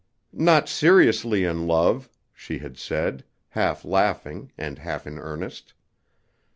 "Not seriously in love," she had said, half laughing, and half in earnest.